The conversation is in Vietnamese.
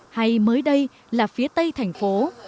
hay mới đây là phía tây thành phố